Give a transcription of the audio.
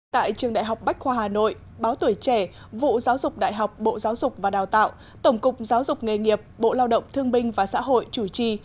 tại trường đại học bách khoa hà nội báo tuổi trẻ vụ giáo dục đại học bộ giáo dục và đào tạo tổng cục giáo dục nghề nghiệp bộ lao động thương binh và xã hội chủ trì